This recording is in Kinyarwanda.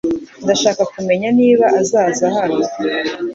Ndashaka kumenya niba azaza hano .